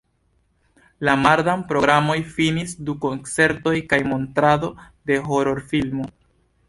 La mardan programon finis du koncertoj kaj montrado de horor-filmo.